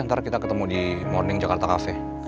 ntar kita ketemu di morning jakarta kafe